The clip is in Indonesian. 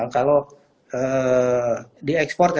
kalau di ekspor